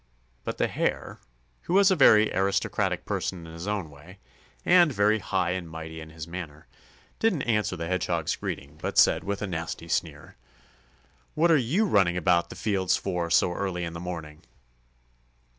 But the Hare, who was a very aristocratic person in his own way, and very high and mighty in his manner, didn't answer the Hedgehog's greeting, but said, with a nasty sneer: "What are you running about the fields for so early in the morning?"